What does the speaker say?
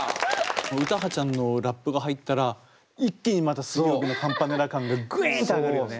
詩羽ちゃんのラップが入ったら一気にまた水曜日のカンパネラ感がグインって上がるよね。